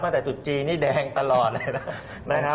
มาตั้งแต่จุดจีนแดงตลอดเลยนะครับ